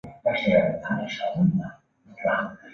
达怀县是越南林同省下辖的一个县。